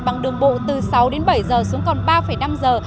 bằng đường bộ từ sáu đến bảy giờ xuống còn ba năm giờ